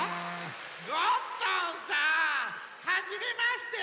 ゴットンさん！はじめまして！